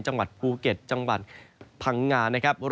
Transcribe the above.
จังหวัดภูเก็ตจังหวัดพังงา